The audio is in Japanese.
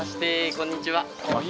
こんにちは。